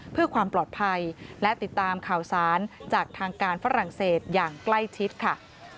เพื่อความปลอดภัยและติดตามข่าวสารจากทางการฝรั่งเศสอย่างใกล้ชิดค่ะ